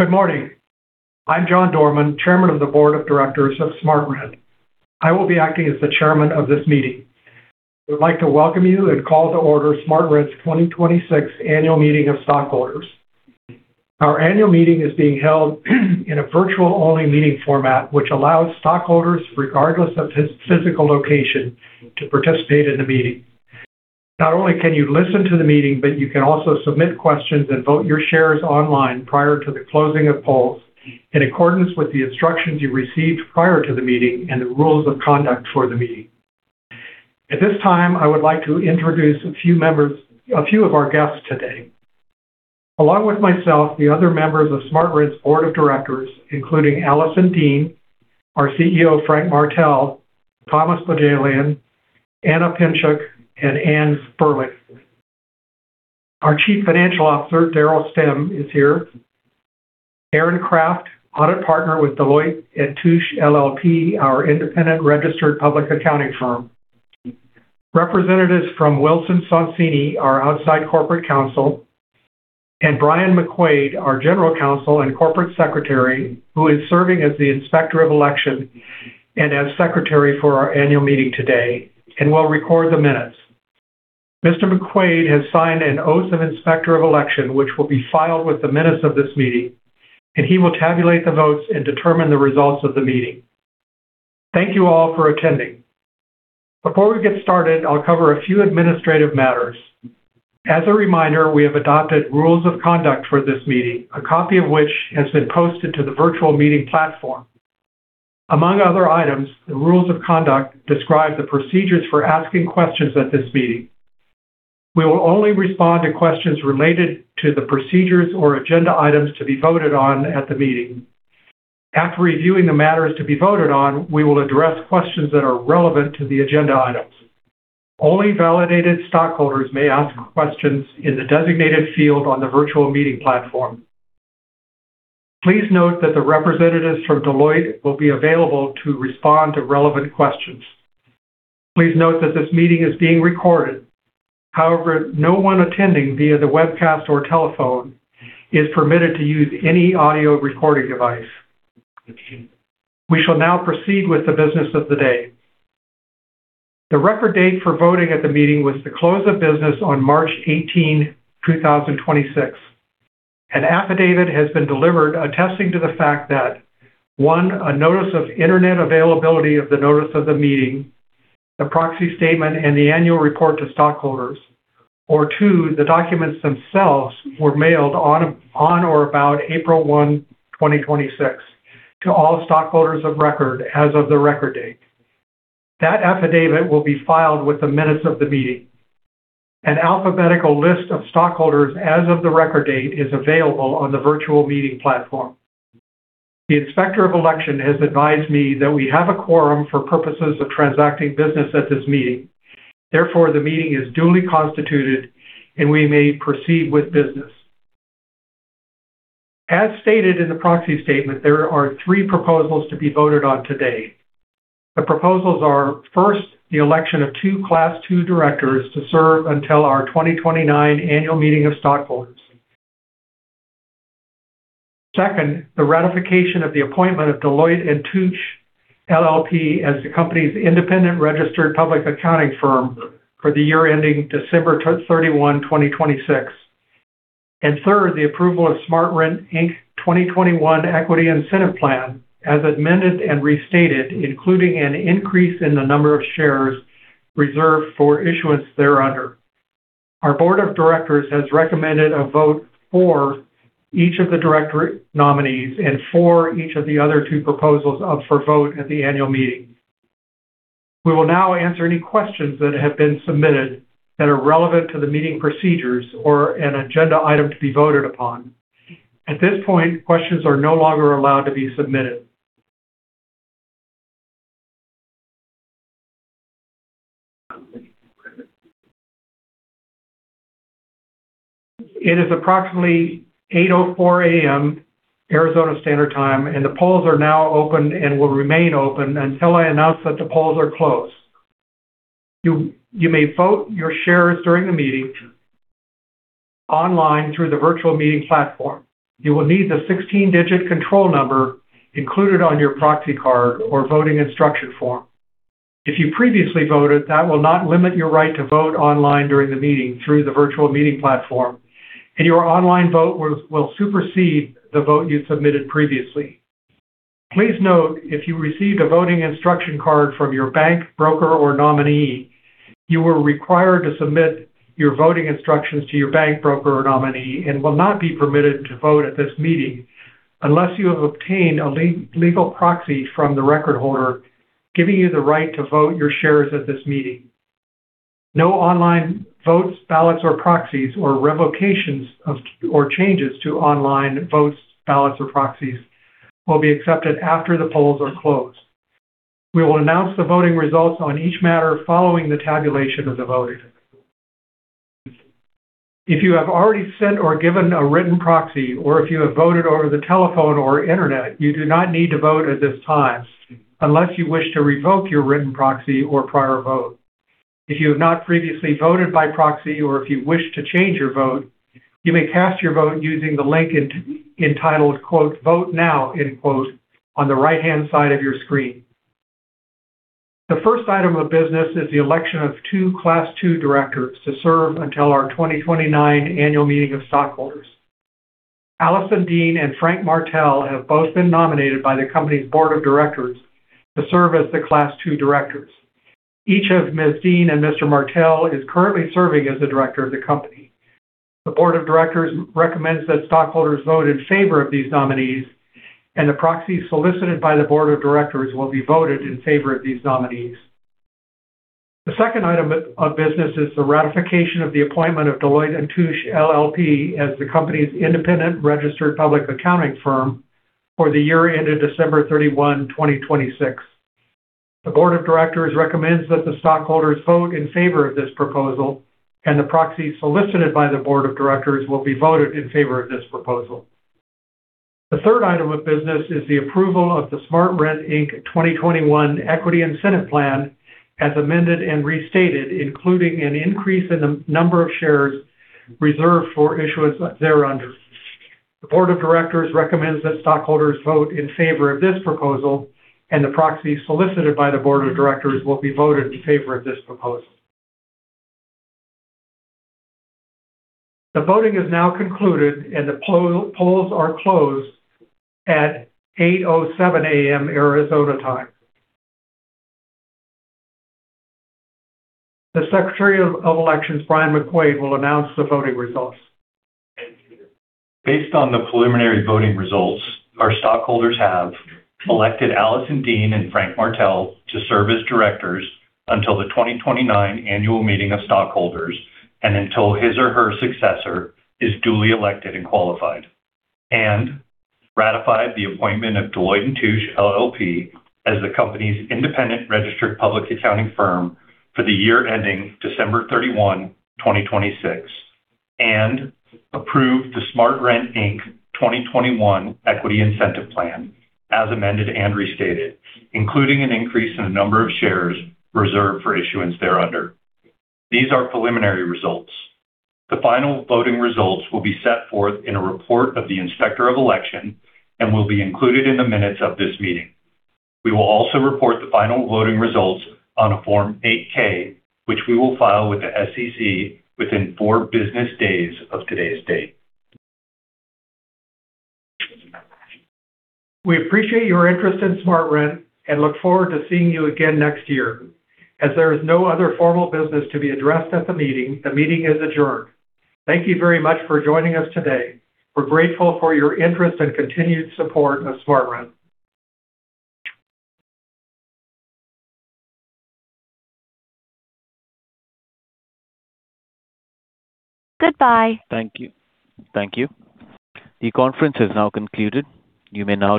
Good morning. I'm John Dorman, Chairman of the Board of Directors of SmartRent. I will be acting as the chairman of this meeting. I would like to welcome you and call to order SmartRent's 2026 annual meeting of stockholders. Our annual meeting is being held in a virtual only meeting format, which allows stockholders, regardless of physical location to participate in the meeting. Not only can you listen to the meeting, but you can also submit questions and vote your shares online prior to the closing of polls in accordance with the instructions you received prior to the meeting and the rules of conduct for the meeting. At this time, I would like to introduce a few of our guests today. Along with myself, the other members of SmartRent's board of directors, including Alison Dean, our CEO, Frank Martell, Thomas Bohjalian, Ana Pinczuk, and Ann Sperling. Our Chief Financial Officer, Daryl Stemm, is here. Aaron Craft, audit partner with Deloitte & Touche LLP, our independent registered public accounting firm. Representatives from Wilson Sonsini Goodrich & Rosati, our outside corporate counsel, and Brian McQuaid, our general counsel and corporate secretary, who is serving as the inspector of election and as secretary for our annual meeting today and will record the minutes. Mr. McQuaid has signed an oath of inspector of election, which will be filed with the minutes of this meeting, and he will tabulate the votes and determine the results of the meeting. Thank you all for attending. Before we get started, I'll cover a few administrative matters. As a reminder, we have adopted rules of conduct for this meeting, a copy of which has been posted to the virtual meeting platform. Among other items, the rules of conduct describe the procedures for asking questions at this meeting. We will only respond to questions related to the procedures or agenda items to be voted on at the meeting. After reviewing the matters to be voted on, we will address questions that are relevant to the agenda items. Only validated stockholders may ask questions in the designated field on the virtual meeting platform. Please note that the representatives from Deloitte will be available to respond to relevant questions. Please note that this meeting is being recorded. However, no one attending via the webcast or telephone is permitted to use any audio recording device. We shall now proceed with the business of the day. The record date for voting at the meeting was the close of business on March 18, 2026. An affidavit has been delivered attesting to the fact that, 1, a notice of Internet availability of the notice of the meeting, the proxy statement, and the annual report to stockholders. 2, the documents themselves were mailed on or about April 1, 2026 to all stockholders of record as of the record date. That affidavit will be filed with the minutes of the meeting. An alphabetical list of stockholders as of the record date is available on the virtual meeting platform. The inspector of election has advised me that we have a quorum for purposes of transacting business at this meeting. Therefore, the meeting is duly constituted, and we may proceed with business. As stated in the proxy statement, there are 3 proposals to be voted on today. The proposals are, first, the election of two class II directors to serve until our 2029 annual meeting of stockholders. Second, the ratification of the appointment of Deloitte & Touche LLP as the company's independent registered public accounting firm for the year ending December 31, 2026. Third, the approval of SmartRent, Inc. 2021 Equity Incentive Plan, as amended and restated, including an increase in the number of shares reserved for issuance thereunder. Our board of directors has recommended a vote for each of the director nominees and for each of the other 2 proposals up for vote at the annual meeting. We will now answer any questions that have been submitted that are relevant to the meeting procedures or an agenda item to be voted upon. At this point, questions are no longer allowed to be submitted. It is approximately 8:04 A.M., Arizona Standard Time, and the polls are now open and will remain open until I announce that the polls are closed. You may vote your shares during the meeting online through the virtual meeting platform. You will need the 16-digit control number included on your proxy card or voting instruction form. If you previously voted, that will not limit your right to vote online during the meeting through the virtual meeting platform, and your online vote will supersede the vote you submitted previously. Please note if you received a voting instruction card from your bank, broker, or nominee, you are required to submit your voting instructions to your bank, broker, or nominee and will not be permitted to vote at this meeting unless you have obtained a legal proxy from the record holder giving you the right to vote your shares at this meeting. No online votes, ballots, or proxies, or revocations of, or changes to online votes, ballots, or proxies will be accepted after the polls are closed. We will announce the voting results on each matter following the tabulation of the vote. If you have already sent or given a written proxy, or if you have voted over the telephone or internet, you do not need to vote at this time unless you wish to revoke your written proxy or prior vote. If you have not previously voted by proxy or if you wish to change your vote, you may cast your vote using the link entitled, “Vote Now”, on the right-hand side of your screen. The first item of business is the election of 2 class 2 directors to serve until our 2029 annual meeting of stockholders. Alison Dean and Frank Martell have both been nominated by the company's board of directors to serve as the class 2 directors. Each of Ms. Dean and Mr. Martell is currently serving as a director of the company. The board of directors recommends that stockholders vote in favor of these nominees, and the proxies solicited by the board of directors will be voted in favor of these nominees. The second item of business is the ratification of the appointment of Deloitte & Touche LLP as the company's independent registered public accounting firm for the year ended December 31, 2026. The board of directors recommends that the stockholders vote in favor of this proposal, and the proxies solicited by the board of directors will be voted in favor of this proposal. The third item of business is the approval of the SmartRent, Inc. 2021 equity incentive plan as amended and restated, including an increase in the number of shares reserved for issuance thereunder. The board of directors recommends that stockholders vote in favor of this proposal. The proxies solicited by the board of directors will be voted in favor of this proposal. The voting is now concluded. The polls are closed at 8:07 A.M. Arizona time. The Secretary of Elections, Brian McQuaid, will announce the voting results. Based on the preliminary voting results, our stockholders have elected Alison Dean and Frank Martell to serve as directors until the 2029 annual meeting of stockholders and until his or her successor is duly elected and qualified. Ratified the appointment of Deloitte & Touche LLP as the company's independent registered public accounting firm for the year ending December 31, 2026. Approved the SmartRent, Inc. 2021 equity incentive plan as amended and restated, including an increase in the number of shares reserved for issuance thereunder. These are preliminary results. The final voting results will be set forth in a report of the Inspector of Election and will be included in the minutes of this meeting. We will also report the final voting results on a Form 8-K, which we will file with the SEC within 4 business days of today's date. We appreciate your interest in SmartRent and look forward to seeing you again next year. As there is no other formal business to be addressed at the meeting, the meeting is adjourned. Thank you very much for joining us today. We're grateful for your interest and continued support of SmartRent. Goodbye. Thank you. Thank you. The conference is now concluded you may now.